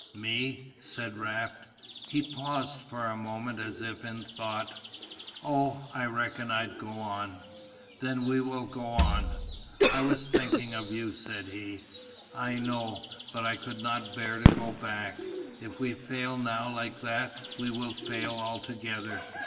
"Me?" said Raft. He paused for a moment as if in thought "Oh, I reckon I'd go on." "Then we will go on." "I was thinkin' of you," said he. "I know but I could not bear to go back. If we fail now like that we will fail altogether.